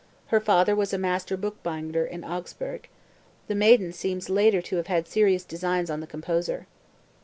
Her father was a master bookbinder in Augsburg. The maiden seems later to have had serious designs on the composer.)